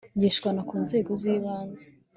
Ngishwanama ku nzego z ibanze